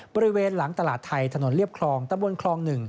บริเวณหลังตลาดไทยถนนเรียบคลองตำบลคลอง๑